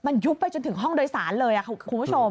มันยุบไปจนถึงห้องโดยสารเลยคุณผู้ชม